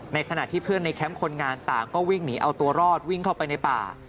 ขณะที่เพื่อนในแคมป์คนงานต่างก็วิ่งหนีเอาตัวรอดวิ่งเข้าไปในป่า